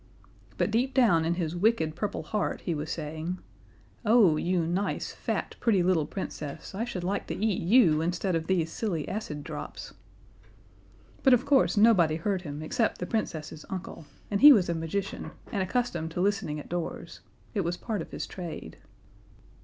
But deep down in his wicked purple heart he was saying, "Oh, you nice, fat, pretty little Princess, I should like to eat you instead of these silly acid drops." But of course nobody heard him except the Princess's uncle, and he was a magician, and accustomed to listening at doors. It was part of his trade.